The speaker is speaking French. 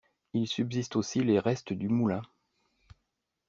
Il subsiste aussi les restes du moulin.